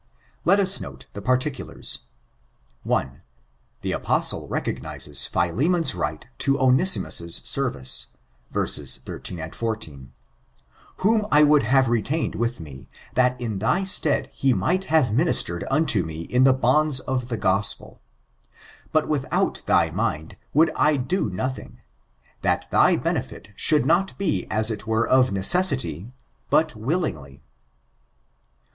Let us note particulars. 1. The apostle recognizes Philemon's right to Onesimus* service— verses 13, 14: "Whom I would have retained with me, that in thy stead he might have ministered unto me in the bonds of the gospeL But without thy mind would I do nothing ; that thy benefit should not be as it were of necessity, but willingly."